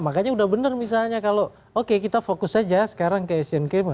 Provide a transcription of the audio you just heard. makanya udah bener misalnya kalau oke kita fokus saja sekarang ke asian games